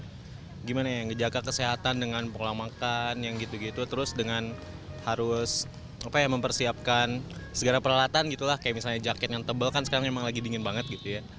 jadi gimana ya menjaga kesehatan dengan pengolah makan yang gitu gitu terus dengan harus mempersiapkan segala peralatan gitu lah kayak misalnya jaket yang tebel kan sekarang emang lagi dingin banget gitu ya